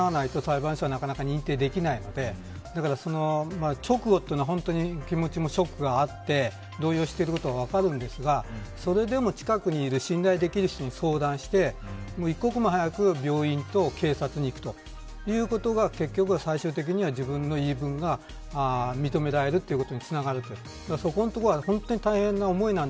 あくまで証拠という意味においては、結果的に証拠が伴わないと裁判所はなかなか認定できないのでその直後というのは、本当に気持ちのショックがあって動揺していることは分かるんですがそれでも近くにいる信頼できる人に相談して一刻も早く病院と警察に行くということが結局最終的に自分の言い分が認められるということにつながります。